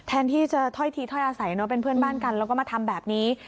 แทนที่จะถ้อยทีถ้อยอาศัยเนอะเป็นเพื่อนบ้านกันแล้วก็มาทำแบบนี้